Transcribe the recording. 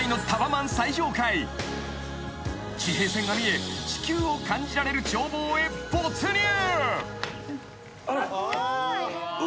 ［地平線が見え地球を感じられる眺望へ没入］